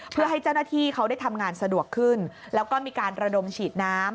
เพื่อให้เจ้าหน้าที่เขาได้ทำงานสะดวกขึ้นแล้วก็มีการระดมฉีดน้ำ